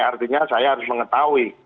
artinya saya harus mengetahui